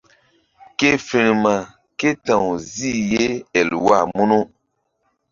Ke firma ké ta̧w zih ye Elwa munu.